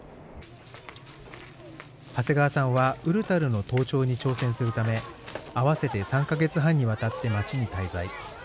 長谷川さんはウルタルの登頂に挑戦するため合わせて３か月半にわたって町に滞在。